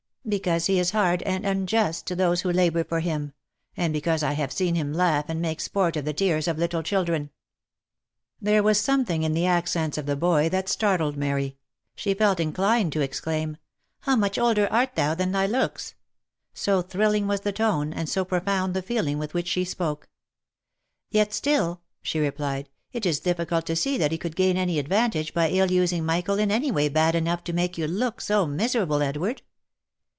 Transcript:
" Because he is hard and unjust to those who labour for him — and because I have seen him laugh and make sport of the tears of little children." There was something in the accents of the boy that startled Mary. — She felt inclined to exclaim — u How much more older art thou than thy looks !" so thrilling was the tone, and so profound the feeling with which he spoke. " Yet still," she replied, " it is difficult to see that he could gain any advantage by ill using Michael in any way bad enough to make you look so miserable, Edward."